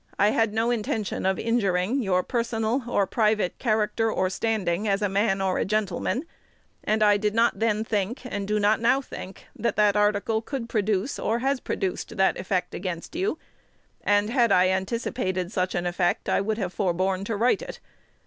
I had no intention of injuring your personal or private character, or standing as a man or a gentleman; and I did not then think, and do not now think, that that article could produce, or has produced, that effect against you; and, had I anticipated such an effect, would have forborne to write it.